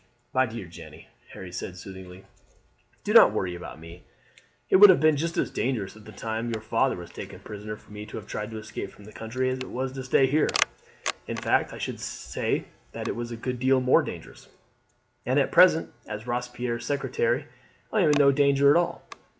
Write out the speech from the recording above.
"My dear Jeanne," Harry said soothingly, "do not worry yourself about me. It would have been just as dangerous at the time your father was taken prisoner for me to have tried to escape from the country as it was to stay here in fact I should say that it was a good deal more dangerous; and at present, as Robespierre's secretary, I am in no danger at all.